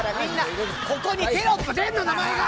ここにテロップ出るの名前が。